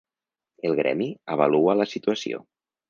El gremi avalua la situació.